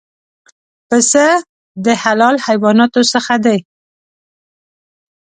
پسه د حلال حیواناتو څخه دی.